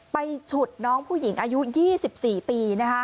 ฉุดน้องผู้หญิงอายุ๒๔ปี